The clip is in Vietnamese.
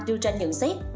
đưa ra nhận xét